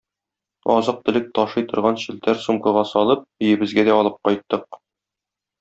Азык-төлек ташый торган челтәр сумкага салып, өебезгә дә алып кайттык.